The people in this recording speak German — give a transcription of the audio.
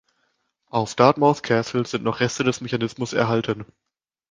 Auf "Dartmouth Castle" sind noch Reste des Mechanismus erhalten.